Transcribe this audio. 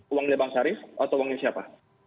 uang dari bung saris atau uang dari siapa